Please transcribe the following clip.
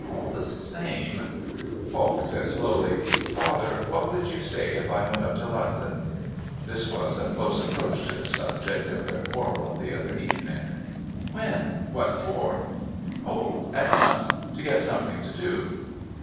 All the same " Falk said slowly: "Father, what would you say if I went up to London?" This was a close approach to the subject of their quarrel of the other evening. "When? What for?" "Oh, at once to get something to do."